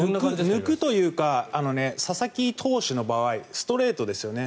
抜くというか佐々木投手の場合ストレートですよね。